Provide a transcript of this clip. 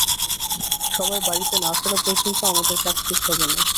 সবাই বাড়িতে না ফেরা পর্যন্ত আমাদের কাজ শেষ হবে না।